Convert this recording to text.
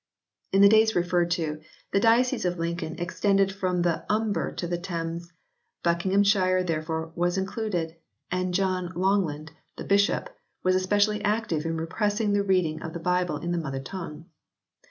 In the days re ferred to the diocese of Lincoln extended from the Humber to the Thames ; Buckinghamshire therefore was included, and John Longland, the bishop, was especially active in repressing the reading of the Bible in the mother tongue.